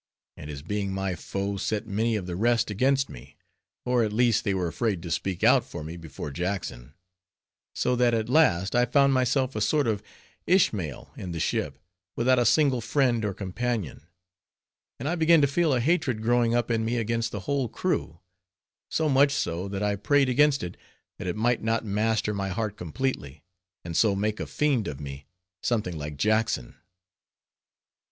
And his being my foe, set many of the rest against me; or at least they were afraid to speak out for me before Jackson; so that at last I found myself a sort of Ishmael in the ship, without a single friend or companion; and I began to feel a hatred growing up in me against the whole crew—so much so, that I prayed against it, that it might not master my heart completely, and so make a fiend of me, something like Jackson.